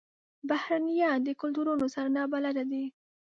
بهرنیان د کلتورونو سره نابلده دي.